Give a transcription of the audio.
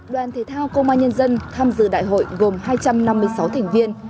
đoàn thể thao công an nhân dân tham dự đại hội gồm hai trăm năm mươi sáu thành viên